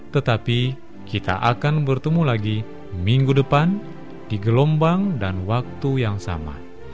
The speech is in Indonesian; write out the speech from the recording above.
tetapi kita akan bertemu lagi minggu depan di gelombang dan waktu yang sama